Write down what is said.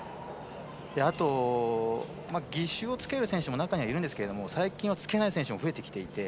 あと、義手をつける選手も中にはいるんですが最近はつけない選手も増えてきていて。